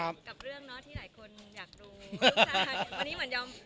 กับเรื่องที่หลายคนอยากรู้